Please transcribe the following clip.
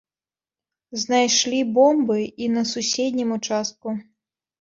Знайшлі бомбы і на суседнім участку.